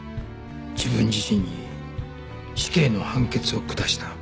自分自身に死刑の判決を下した。